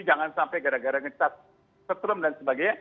jangan sampai gara gara ngecas setrum dan sebagainya